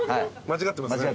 間違ってます。